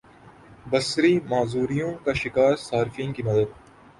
بصری معذوریوں کا شکار صارفین کی مدد